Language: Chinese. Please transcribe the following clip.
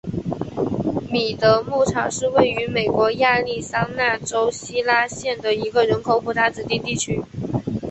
米德牧场是位于美国亚利桑那州希拉县的一个人口普查指定地区。